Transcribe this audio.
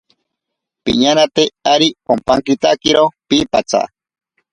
Piñanate ari ompankitakiro piipatsa.